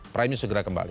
prime news segera kembali